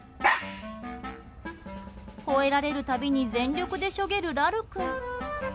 吠えられるたびに全力でしょげるラル君。